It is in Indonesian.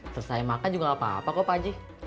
selesai makan juga gak apa apa kok pak haji